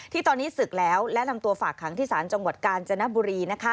ที่ตอนนี้ศึกแล้วและนำตัวฝากขังที่ศาลจังหวัดกาญจนบุรี